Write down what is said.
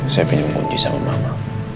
saya pinjam kunci sama mama